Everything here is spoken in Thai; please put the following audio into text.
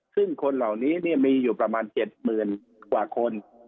ซึ่งคนเหล่านี้เนี่ยมีอยู่ประมาณ๗หมื่นกว่าคน